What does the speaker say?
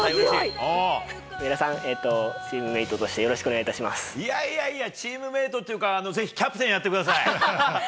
いやいやチームメートというかぜひ、キャプテンをやってください。